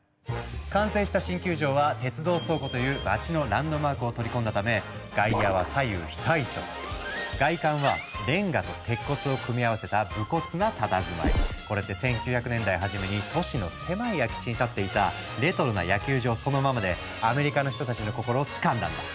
完成した新球場は鉄道倉庫という街のランドマークを取り込んだため外観はこれって１９００年代初めに都市の狭い空き地に立っていたレトロな野球場そのままでアメリカの人たちの心をつかんだんだ。